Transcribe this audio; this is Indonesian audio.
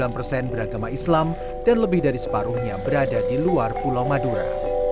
sembilan persen beragama islam dan lebih dari separuhnya berada di luar pulau madura